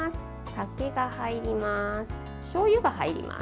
酒が入ります。